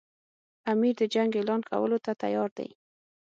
امیر د جنګ اعلان کولو ته تیار دی.